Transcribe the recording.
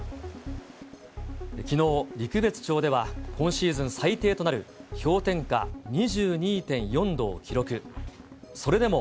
きのう、陸別町では今シーズン最低となる氷点下２２．４度を記録。